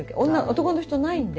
男の人はないんで。